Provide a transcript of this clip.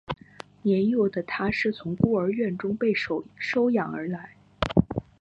年幼的他是从孤儿院中被收养而来。